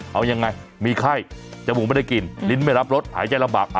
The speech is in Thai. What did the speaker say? เอายังไงมีไข้จมูกไม่ได้กินลิ้นไม่รับรสหายใจลำบาก